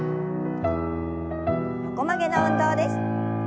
横曲げの運動です。